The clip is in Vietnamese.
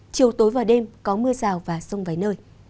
chiều tối và đêm có mưa rào và rông vài nơi